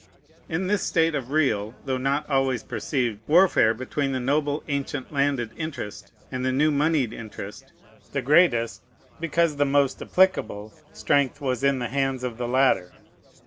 In this state of real, though not always perceived, warfare between the noble ancient landed interest and the new moneyed interest, the greatest, because the most applicable, strength was in the hands of the latter.